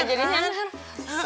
iya jadinya nervous